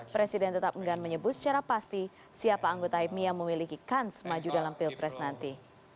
presiden tetap enggan menyebut secara pasti siapa anggota hipmi yang memiliki kans maju dalam pilpres nanti